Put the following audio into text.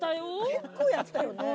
結構やったよね。